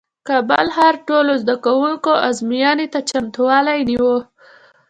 کابل ښار ټولو زدکوونکو ازموینې ته چمتووالی نیوه